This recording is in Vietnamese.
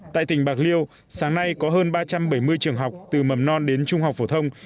tại tỉnh bạc liêu sáng nay có hơn ba trăm bảy mươi trường học từ mầm non đến trung học phổ thông